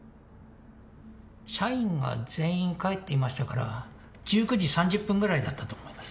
社員が全員帰っていましたから１９時３０分ぐらいだったと思います